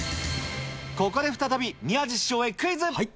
ここで再び宮治師匠へクイズ。